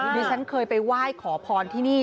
นี่ฉันเคยไปว่ายขอพรที่นี่